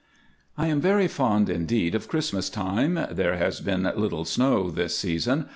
I am very fond indeed of Christmas time. There has been little snow this season.